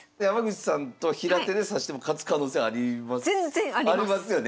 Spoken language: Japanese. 山口さんと平手で指しても勝つ可能性あります？